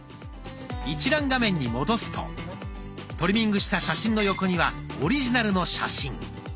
一覧画面に戻すとトリミングした写真の横にはオリジナルの写真。